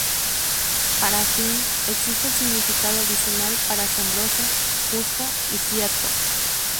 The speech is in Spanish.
Para "finn" existe el significado adicional para "asombroso", "justo" y "cierto".